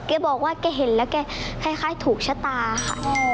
แกบอกว่าแกเห็นแล้วแกคล้ายถูกชะตาค่ะ